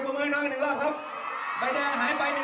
โปรดติดตามต่อไป